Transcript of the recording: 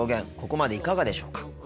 ここまでいかがでしょうか。